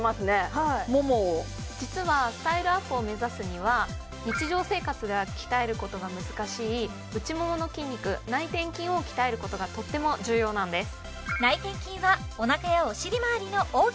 実はスタイルアップを目指すには日常生活では鍛えることが難しい内ももの筋肉内転筋を鍛えることがとっても重要なんです